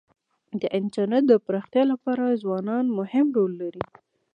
د انټرنېټ د پراختیا لپاره ځوانان مهم رول لري.